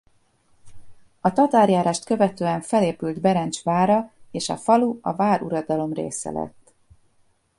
A tatárjárást követően felépült Berencs vára és a falu a váruradalom része lett.